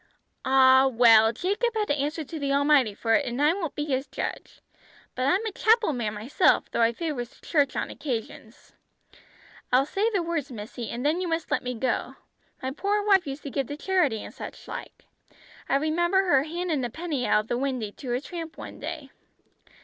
"Ah, well, Jacob had to answer to the Almighty for it, an' I won't be his judge. But I'm a chapel man myself, though I favours the church on occasions. I'll say the words, missy, an' then you must let me go. My poor wife used to give to charity an' such like. I remember her handin' a penny out of the windy to a tramp one day.